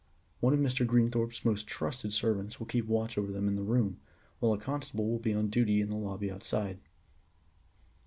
One of Mr. Greenthorpe's most trusted servants will keep watch over them in the room, while a constable will be on duty in the lobby outside.